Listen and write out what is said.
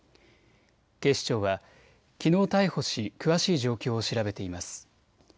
警視庁はきのう逮捕し詳しい状況を調べています。